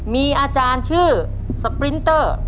มีอาจารย์ชื่อสปรินเตอร์